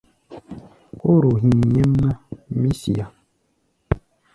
Kóro hí̧í̧ nyɛ́mná, mí siá.